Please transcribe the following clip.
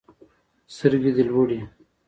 سترګي دي لوړی